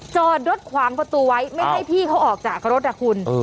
จอดรถขวางประตูไว้ไม่ให้พี่เขาออกจากรถอ่ะคุณ